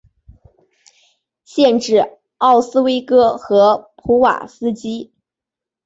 县治奥斯威戈和普瓦斯基。